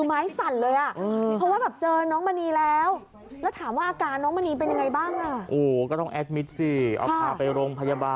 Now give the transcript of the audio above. ให้อยู่ในบ้านให้ครับ